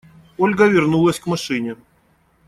Ольга вернулась к машине.